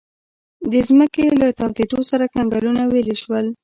د ځمکې له تودېدو سره کنګلونه ویلې شول.